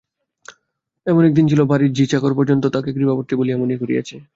এমন একদিন ছিল, বাড়ির ঝি চাকর পর্যন্ত তাকে কৃপাপাত্রী বলিয়া মনে করিয়াছে।